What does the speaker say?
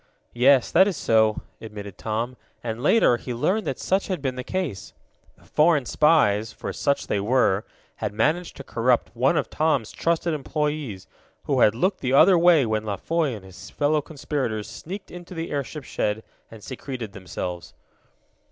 "Yes, that is so," admitted Tom, and, later, he learned that such had been the case. The foreign spies, for such they were, had managed to corrupt one of Tom's trusted employees, who had looked the other way when La Foy and his fellow conspirators sneaked into the airship shed and secreted themselves.